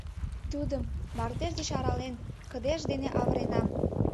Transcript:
Тудым, мардеж деч арален, кыдеж дене авыренам.